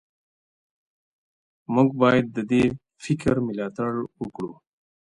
موږ باید د دې فکر ملاتړ وکړو.